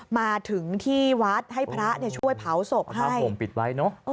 มาถึงที่วัดให้พระช่วยเผาสบให้